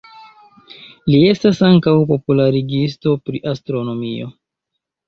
Li estas ankaŭ popularigisto pri astronomio.